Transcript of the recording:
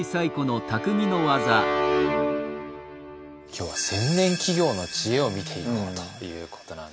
今日は千年企業の知恵を見ていこうということなんですね。